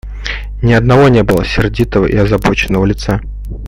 Ни одного не было сердитого и озабоченного лица.